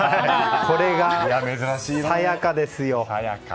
これが、さやかですよ。